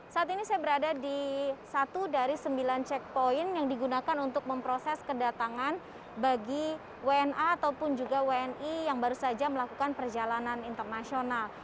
saat ini saya berada di satu dari sembilan checkpoint yang digunakan untuk memproses kedatangan bagi wna ataupun juga wni yang baru saja melakukan perjalanan internasional